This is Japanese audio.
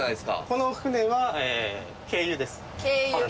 この船は軽油です。